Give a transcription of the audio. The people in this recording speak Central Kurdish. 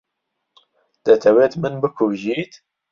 دەتەوێت من بکوژیت؟